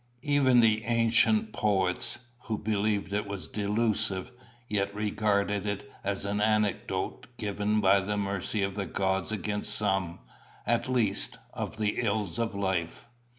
Even the ancient poets, who believed it was delusive, yet regarded it as an antidote given by the mercy of the gods against some, at least, of the ills of life."